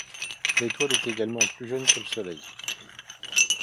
L'étoile est également plus jeune que le Soleil.